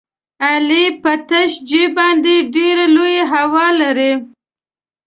علي په تش جېب باندې ډېره لویه هوا لري.